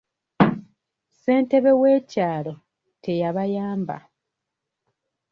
Ssentebe w'ekyalo teyabayamba.